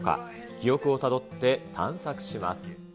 記憶をたどって探索します。